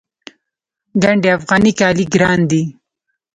ګنډ افغاني کالي ګران دي